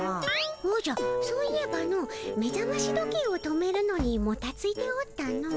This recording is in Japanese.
おじゃそういえばの目ざまし時計を止めるのにもたついておったの。